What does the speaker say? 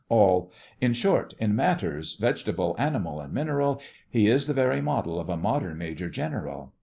ALL: In short, in matters vegetable, animal, and mineral, He is the very model of a modern Major General.